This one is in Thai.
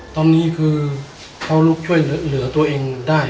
ตอนนี้คือเขาลุกช่วยเหลือตัวเองได้